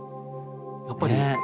やっぱり。